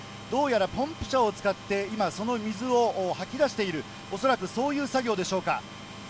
どうやら、ポンプ車を使って、今、その水を掃き出している、恐らくそういう作業でしょうか。